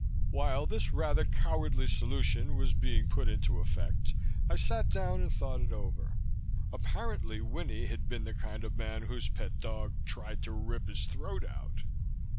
While this rather cowardly solution was being put into effect, I sat down and thought it over. Apparently Winnie had been the kind of man whose pet dog tried to rip his throat out.